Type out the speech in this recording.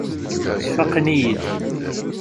Sfaqen-iyi-id.